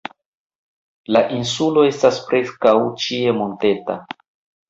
La insulo estas preskaŭ ĉie monteta.